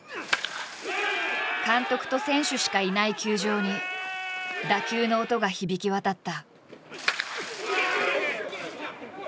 監督と選手しかいない球場に打球の音が響き渡った。